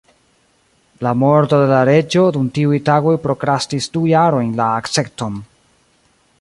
La morto de la reĝo dum tiuj tagoj prokrastis du jarojn la akcepton.